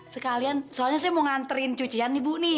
sekalian soalnya saya mau nganterin cucian nih bu